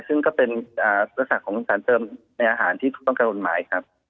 ซึ่งก็เป็นลักษณะของสารเติมในอาหารที่ถูกต้องกับกฎหมายครับ